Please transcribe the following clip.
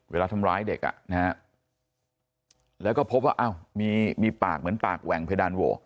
เวลาทำร้ายเด็กอ่ะนะฮะแล้วก็พบว่าอ้าวมีมีปากเหมือนปากแหว่งเพดานโว